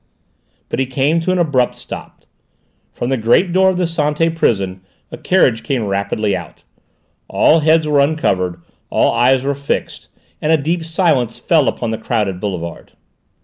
But he came to an abrupt stop. From the great door of the Santé prison a carriage came rapidly out. All heads were uncovered, all eyes were fixed, and a deep silence fell upon the crowded boulevard.